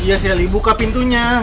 iya selly buka pintunya